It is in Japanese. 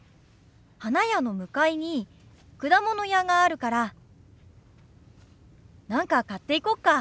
花屋の向かいに果物屋があるから何か買っていこうか。